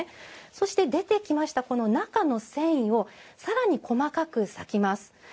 そして、出てきました中の繊維をさらに細かく裂きます。